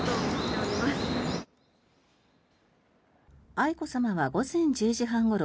愛子さまは午前１０時半ごろ